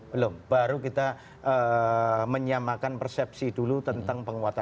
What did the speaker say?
belum baru kita menyamakan persepsi dulu tentang penguatan